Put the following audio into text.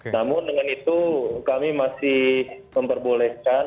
namun dengan itu kami masih memperbolehkan